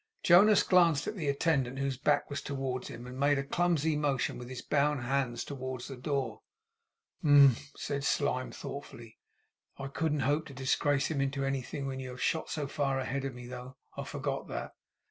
Jonas glanced at the attendant whose back was towards him, and made a clumsy motion with his bound hands towards the door. 'Humph!' said Slyme, thoughtfully. 'I couldn't hope to disgrace him into anything when you have shot so far ahead of me though. I forgot that.